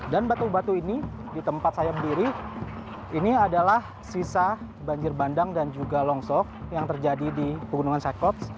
dan batu batu ini di tempat saya berdiri ini adalah sisa banjir bandang dan juga longsok yang terjadi di pegunungan siklops